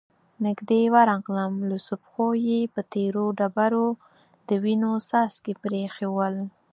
نږدې ورغلم، لوڅو پښو يې په تېرو ډبرو د وينو څاڅکې پرېښي ول،